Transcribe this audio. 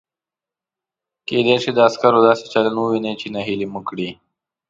کېدای شي د عسکرو داسې چلند ووینئ چې نهیلي مو کړي.